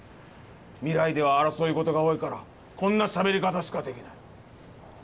未来では争いごとが多いからこんなしゃべり方しかできない。